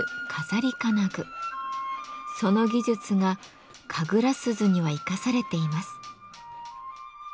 その技術が神楽鈴には生かされています。